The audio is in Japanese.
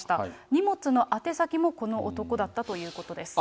荷物の宛先もこの男だったということです。